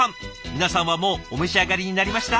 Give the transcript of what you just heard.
皆さんはもうお召し上がりになりました？